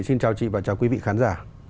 xin chào chị và chào quý vị khán giả